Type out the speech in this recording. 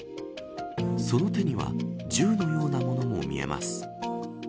その手には銃のようなものも見えます。